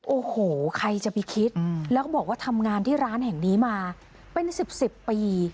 โอ้โหใครจะไปคิดแล้วก็บอกว่าทำงานที่ร้านแห่งนี้มาเป็น๑๐ปี